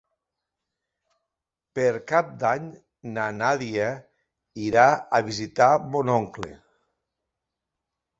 Per Cap d'Any na Nàdia irà a visitar mon oncle.